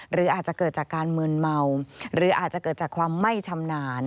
หรืออาจจะเกิดจากการมืนเมาหรืออาจจะเกิดจากความไม่ชำนาญ